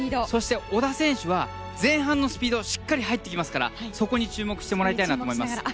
そして小田選手は前半のスピードがしっかり入ってきますからそこに注目してもらいたいなと思います。